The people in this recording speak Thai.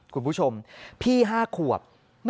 คุณผู้ชมพี่๕ขวบ